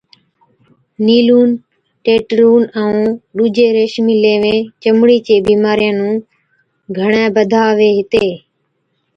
نيلُون، ٽيٽرون ائُون ڏُوجين ريشمِي ليوين چمڙي چي بِيمارِيا نُون گھڻَي بڌاوي هِتين